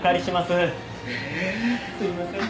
すいません。